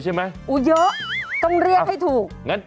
ใช้เมียได้ตลอด